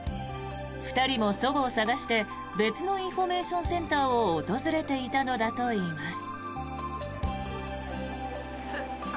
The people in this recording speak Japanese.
２人も祖母を捜して、別のインフォメーションセンターを訪れていたのだといいます。